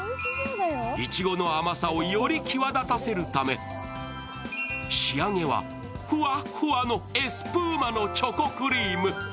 いちごの甘さをより際立たせるため仕上げはふわっふわのエスプーマのチョコクリーム。